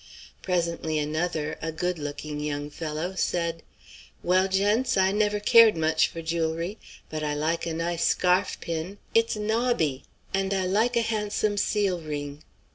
Presently another, a good looking young fellow, said: "Well, gents, I never cared much for jewelry. But I like a nice scarf pin; it's nobby. And I like a handsome seal ring."